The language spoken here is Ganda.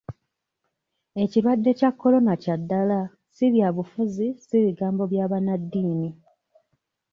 Ekirwadde kya korona kya ddala, si byabufuzi, si bigambo bya bannaddiini .